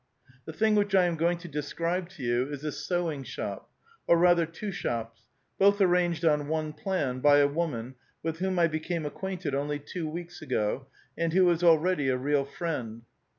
The thing which I am going to describe to you is a sewing shop, or rather two shops, both arranged on one plan by a woman with whom I became acquainted onl}' two weeks ago, and who is already a real friend.